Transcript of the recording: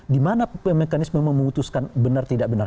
dimana mekanisme memutuskan benar tidak benar